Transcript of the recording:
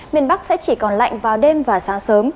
miền bắc sẽ chỉ còn lạnh vào đêm và sáng sớm